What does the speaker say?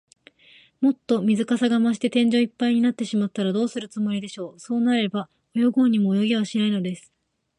もっと水かさが増して、天井いっぱいになってしまったら、どうするつもりでしょう。そうなれば、泳ごうにも泳げはしないのです。